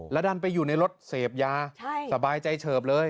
แล้วดันไปอยู่ในรถเสพยาสบายใจเฉิบเลย